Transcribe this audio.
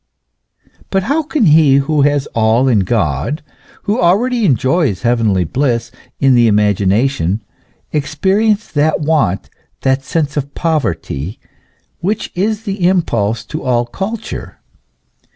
"* But how can he who has all in God, who already enjoys heavenly bliss in the imagination, experience that want, that sense of poverty, which is the impulse to all culture?